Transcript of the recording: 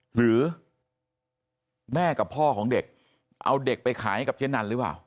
หรือแม่กับพ่อของเด็กเอาเด็กไปขายให้กับเจ๊นันหรือเปล่า